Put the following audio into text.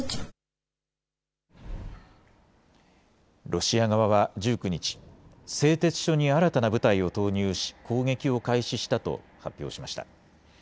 ロシア側は１９日、製鉄所に新たな部隊を投入し攻撃を開始したと発表しました。